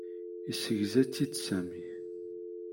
Yessegza-tt-id Sami.